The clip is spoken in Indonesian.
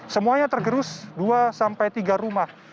semuanya tergerus dua sampai tiga rumah